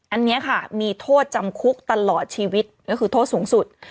อันนี้ค่ะมีโทษจำคุกตลอดชีวิตก็คือโทษสูงสุด